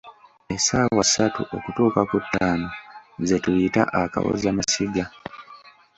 Essaawa ssatu okutuuka ku ttaano ze tuyita, "akawoza masiga"